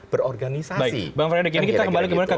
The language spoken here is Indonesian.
berorganisasi bang frederick ini kita kembali ke